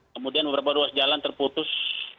kemudian beberapa ruas jalan terputus